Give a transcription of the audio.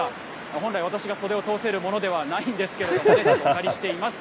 本来、私が袖を通せるものではないんですけれどもね、お借りしています。